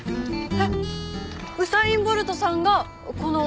えっウサイン・ボルトさんがこの昌夫さん？